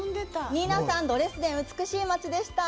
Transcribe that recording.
ニーナさん、ドレスデン、美しい街でした。